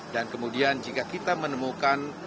dan kemudian jika kita menemukan